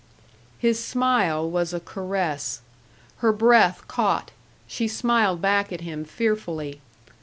His smile was a caress. Her breath caught, she smiled back at him fearfully.